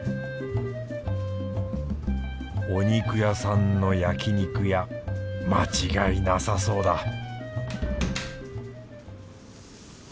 お肉屋さんの焼肉屋間違いなさそうだ